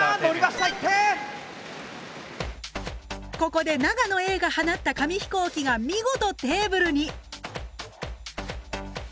ここで長野Ａが放った紙飛行機が見事テーブルに！